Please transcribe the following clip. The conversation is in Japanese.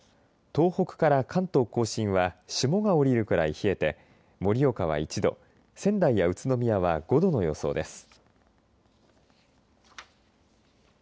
東北から関東甲信は霜が降りるくらい冷えて盛岡は１度仙台や宇都宮は５度の予想です。